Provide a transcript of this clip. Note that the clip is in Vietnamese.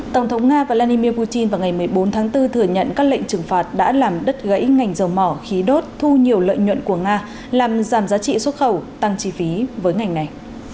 tổng thống nga vladimir putin vào ngày một mươi bốn tháng bốn thừa nhận các lệnh trừng phạt đã làm đứt gãy ngành dầu mỏ khí đốt thu nhiều lợi nhuận của nga làm giảm giá trị xuất khẩu tăng chi phí với ngành này